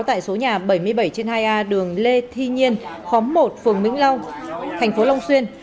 tại số nhà bảy mươi bảy trên hai a đường lê thi nhiên khóm một phường vĩnh long thành phố long xuyên